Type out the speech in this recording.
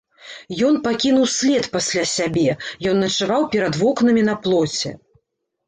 Ён пакінуў след пасля сябе, ён начаваў перад вокнамі на плоце.